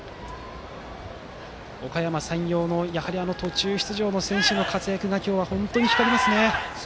おかやま山陽の途中出場の選手の活躍が今日は本当に光りますね。